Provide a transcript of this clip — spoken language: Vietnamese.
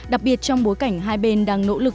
đặc biệt trong bối cảnh hai bên đang nỗ lực